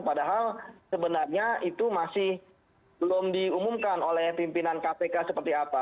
padahal sebenarnya itu masih belum diumumkan oleh pimpinan kpk seperti apa